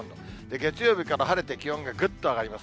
月曜日から晴れて、気温がぐっと上がります。